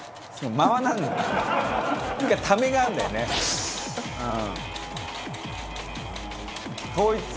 「ためがあるんだよねうん」